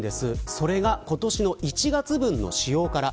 それが今年の１月分の使用から。